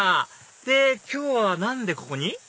で今日は何でここに？